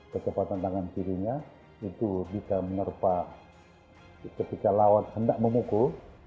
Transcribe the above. kecepatan tangan kirinya itu bisa menerpa ketika lawan hendak memukul